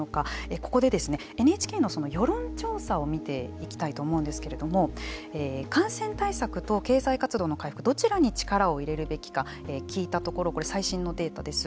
ここでＮＨＫの世論調査を見ていきたいと思うんですけれども感染対策と経済活動の回復どちらに力を入れるべきか聞いたところこれは最新のデータです。